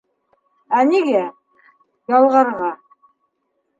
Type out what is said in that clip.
Ә нигә... ялғарға?